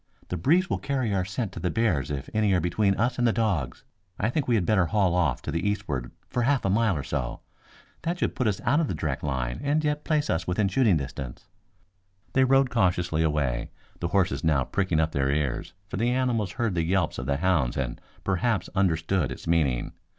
The breeze will carry our scent to the bears if any are between us and the dogs. I think we had better haul off to the eastward for half a mile or so. That should put us out of the direct line and yet place us within shooting distance." They rode cautiously away, the horses now pricking up their ears, for the animals heard the yelps of the hounds and perhaps understood its meaning.